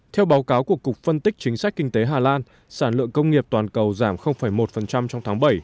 theo báo cáo của cục phân tích chính sách kinh tế hà lan sản lượng công nghiệp toàn cầu giảm một trong tháng bảy